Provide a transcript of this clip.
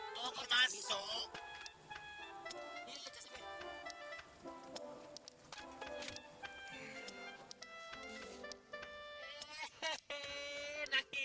tapi mau jual sapi